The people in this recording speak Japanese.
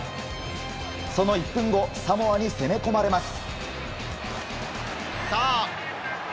その１分後サモアに攻め込まれます。